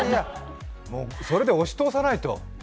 それで押し通さないと。